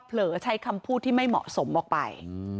ใช้คำพูดที่ไม่เหมาะสมออกไป